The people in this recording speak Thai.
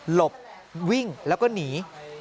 บวิ่งแล้วก็หนี